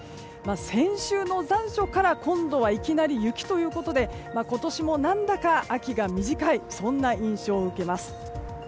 先週の残暑から今度はいきなり雪ということで今年も何だか秋が短い印象を受けます。